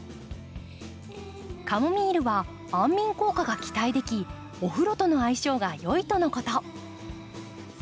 カモミールは安眠効果が期待できお風呂との相性がよいとのこと。